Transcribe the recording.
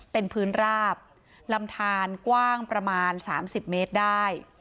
เป็นพื้นราบลำทานกว้างประมาณ๓๐เมตรได้